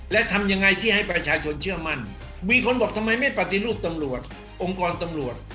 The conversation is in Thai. และทำยังไงที่ให้ประชาชนเชื่อมั่นมีคนบอกทำไมไม่ปฏิรูปตำรวจองค์กรตำรวจ